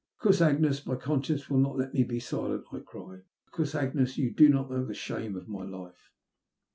''Because, Agnes, my conscience will not let me be silent," I cried. ''Because, Agnes, you do not know the shame of my life."